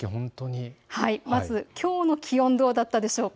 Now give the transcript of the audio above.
まず、きょうの気温どうだったでしょうか。